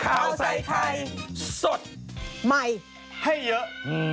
ข่าวใส่ไข่สดใหม่ให้เยอะ